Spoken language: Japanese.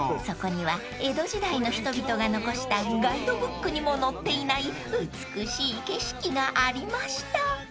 ［そこには江戸時代の人々が残したガイドブックにも載っていない美しい景色がありました］